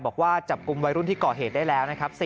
บอกว่าจับกลุ่มวัยรุ่นที่ก่อเหตุได้แล้วนะครับ